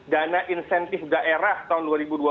dana insentif daerah tahun dua ribu dua puluh